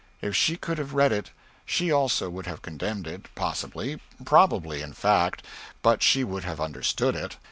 If she could have read it, she also would have condemned it, possibly, probably, in fact but she would have understood it.